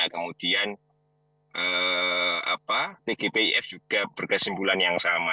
kemudian tgpf juga berkesimpulan yang sama